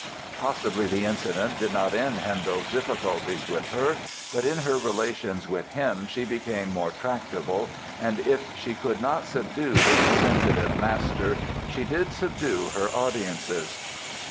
Possibly the incident did not end Handel's difficulties with her but in her relations with him she became more tractable and if she could not subdue the insensitive master she did subdue her audiences.